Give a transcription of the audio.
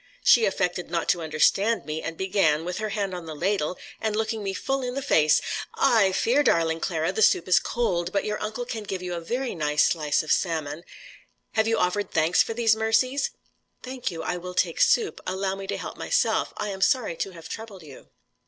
She affected not to understand me, and began, with her hand on the ladle, and looking me full in the face: "I fear, darling Clara, the soup is cold; but your uncle can give you a very nice slice of salmon. Have you offered thanks for these mercies?" "Thank you, I will take soup. Allow me to help myself. I am sorry to have troubled you."